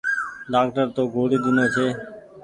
ڍآڪٽر تو گوڙي ۮينو ڇي۔